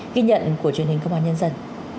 ghi nhận của truyền hình công an nhân dân